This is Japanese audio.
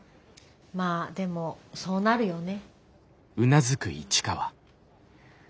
まあでもそうなるよね。